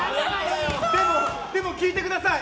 でも聞いてください！